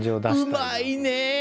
うまいね！